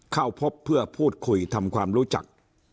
เข้าพบเพื่อพูดคุยทำความรู้จัก